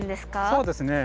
そうですね。